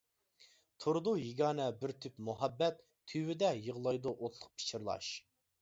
تۇرىدۇ يېگانە بىر تۈپ مۇھەببەت، تۈۋىدە يىغلايدۇ ئوتلۇق پىچىرلاش.